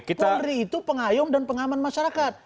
polri itu pengayung dan pengaman masyarakat